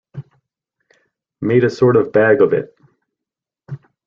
Made a sort of bag of it.